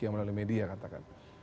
yang melalui media katakan